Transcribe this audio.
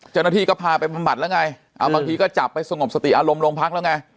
เจ้าหน้าที่ก็พาไปปับรบรรพรรดิไงบางทีก็จับไปสงบสติอารมณ์โรงพรรท์แล้วไง